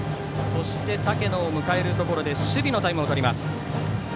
そして竹野を迎えるところで守備のタイムを取ります。